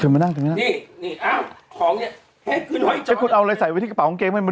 หาจะกลับกลับหาของแม่นี่